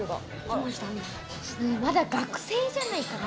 まだ学生じゃないかな？